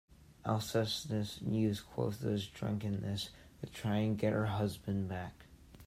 Alcestis used Clotho's drunkenness to try to get her husband back.